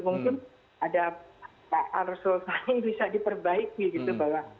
mungkin ada arsos yang bisa diperbaiki gitu